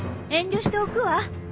遠慮しておくわ。